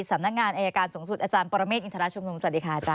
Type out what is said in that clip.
สำนักงานอายการสูงสุดอาจารย์ปรเมฆอินทรชุมนุมสวัสดีค่ะอาจาร